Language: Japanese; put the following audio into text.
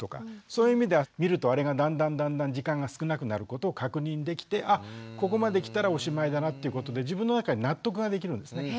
そういう意味では見るとあれがだんだんだんだん時間が少なくなることを確認できてあっここまできたらおしまいだなっていうことで自分の中に納得ができるんですね。